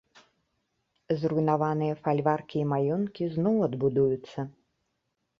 Зруйнаваныя фальваркі і маёнткі зноў адбудуюцца.